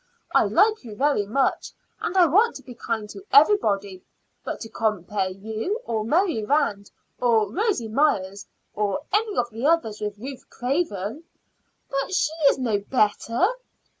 I like you very much, and I want to be kind to everybody; but to compare you or Mary Rand or Rosy Myers, or any of the others, with Ruth Craven " "But she is no better."